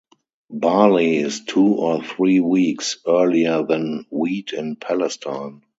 Barley is two or three weeks earlier than wheat in Palestine.